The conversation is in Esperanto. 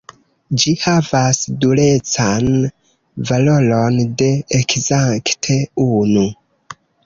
Ĝi havas durecan valoron de ekzakte unu.